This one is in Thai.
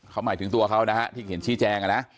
เขาหมายถึงตัวเขานะฮะที่เขียนชี้แจงนะ